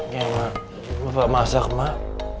ya emak bapak masak emak